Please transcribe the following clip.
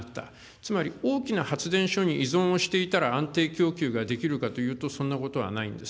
つまり、大きな発電所に依存をしていたら、安定供給ができるかというと、そんなことはないんです。